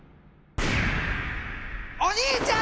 お兄ちゃん！